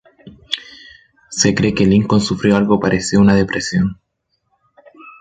Se cree que Lincoln sufrió algo parecido a una depresión.